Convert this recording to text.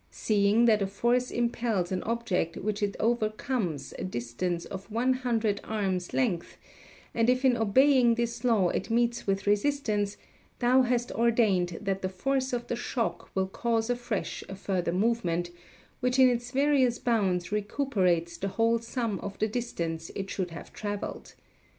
Seeing that a force impels an object which it overcomes a distance of one hundred arms' length, and if in obeying this law it meets with resistance, thou hast ordained that the force of the shock will cause afresh a further movement, which in its various bounds recuperates the whole sum of the distance it should have travelled.